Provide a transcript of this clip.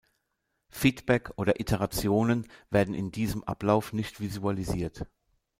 Feedback oder Iterationen werden in diesem Ablauf nicht visualisiert.